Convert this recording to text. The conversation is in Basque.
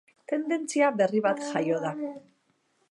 Tendentzia berri bat jaio da.